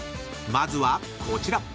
［まずはこちら］